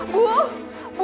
bu bangun bu